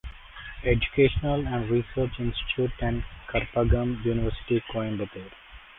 Educational and Research Institute and Karpagam University Coimbatore.